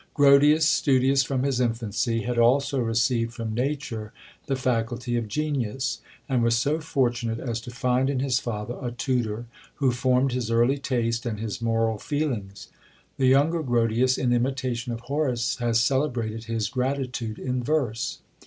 Grotius, studious from his infancy, had also received from Nature the faculty of genius, and was so fortunate as to find in his father a tutor who formed his early taste and his moral feelings. The younger Grotius, in imitation of Horace, has celebrated his gratitude in verse.